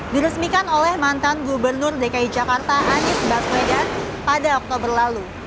diresmikan oleh mantan gubernur dki jakarta anies baswedan pada oktober lalu